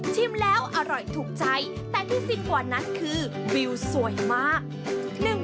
แล้วอร่อยถูกใจแต่ที่สุดกว่านั้นคือวิวสวยมาก